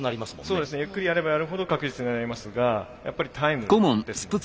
そうですねゆっくりやればやるほど確実になりますがやっぱりタイムですので。